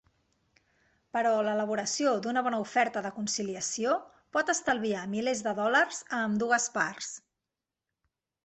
Però l'elaboració d'una bona oferta de conciliació pot estalviar milers de dòlars a ambdues parts.